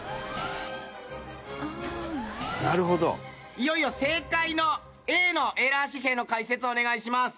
いよいよ正解のＡのエラー紙幣の解説をお願いします。